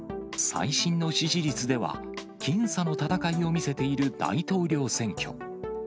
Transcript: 最新の支持率では、僅差の戦いを見せている大統領選挙。